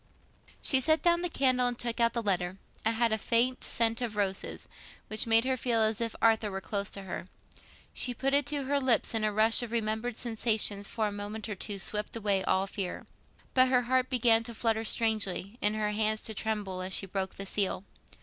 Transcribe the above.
She set down the candle and took out the letter. It had a faint scent of roses, which made her feel as if Arthur were close to her. She put it to her lips, and a rush of remembered sensations for a moment or two swept away all fear. But her heart began to flutter strangely, and her hands to tremble as she broke the seal.